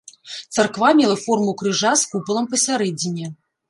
Царква мела форму крыжа з купалам пасярэдзіне.